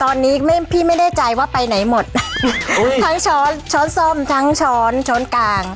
ตอนนี้ไม่พี่ไม่แน่ใจว่าไปไหนหมดทั้งช้อนช้อนส้มทั้งช้อนช้อนกลาง